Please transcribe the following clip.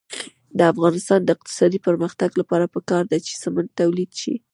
د افغانستان د اقتصادي پرمختګ لپاره پکار ده چې سمنټ تولید شي.